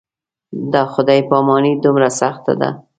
دا خدای پاماني دومره سخته ده.